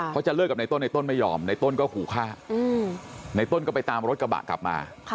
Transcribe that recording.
เพราะจะเลิกกับในต้นในต้นไม่ยอมในต้นก็ขู่ฆ่าในต้นก็ไปตามรถกระบะกลับมา